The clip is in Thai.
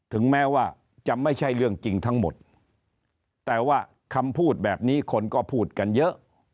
ถึงแม้ว่าจะไม่ใช่เรื่องจริงทั้งหมดแต่ว่าคำพูดแบบนี้คนก็พูดกันเยอะ